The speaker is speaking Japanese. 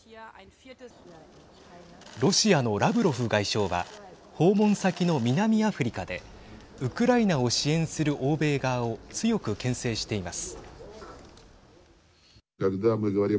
ロシアのラブロフ外相は訪問先の南アフリカでウクライナを支援する欧米側を強くけん制しています。